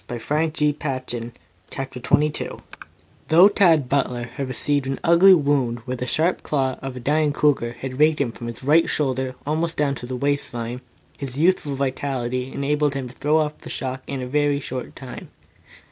CHAPTER XXII PROFESSOR ZEPPLIN'S MYSTERIOUS FOE Though Tad Butler had received an ugly wound where the sharp claw of the dying cougar had raked him from his right shoulder almost down to the waist line, his youthful vitality enabled him to throw off the shock of it in a very short time.